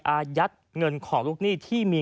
อายัดเงินของลูกหนี้ที่มี